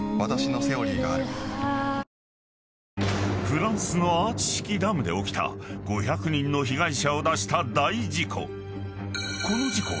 ［フランスのアーチ式ダムで起きた５００人の被害者を出した大事故。